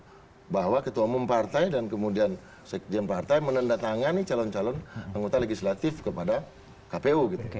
bahwa ketua umum partai dan kemudian sekjen partai menandatangani calon calon anggota legislatif kepada kpu gitu